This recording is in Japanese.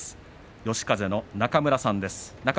嘉風の中村さんです。